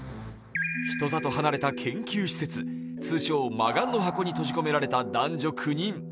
人里離れた研究施設、通称・魔眼の匣に閉じ込められた男女９人。